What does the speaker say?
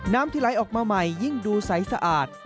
น้ำที่ไหลออกมาใหม่ยิ่งดูใสสะอาด